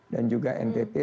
dan juga ntt